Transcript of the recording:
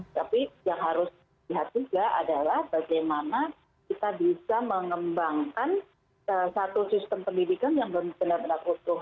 tapi yang harus dilihat juga adalah bagaimana kita bisa mengembangkan satu sistem pendidikan yang benar benar utuh